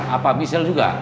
apa misal juga